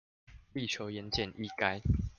力求言簡意賅